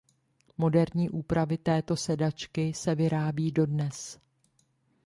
Moderní úpravy této sedačky se vyrábí dodnes.